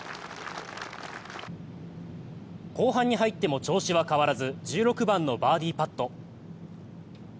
後半に入っても調子は変わらず１６番のバーディーパット。